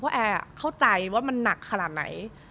แอร์เข้าใจว่ามันหนักขนาดไหน